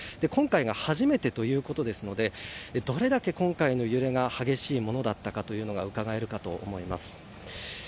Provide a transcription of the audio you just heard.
今回が初めてということですのでどれだけ今回の揺れが激しいものだったかうかがえるかと思います。